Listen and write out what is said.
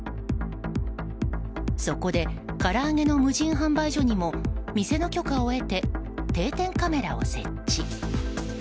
そこでから揚げの無人販売所にも店の許可を得て定点カメラを設置。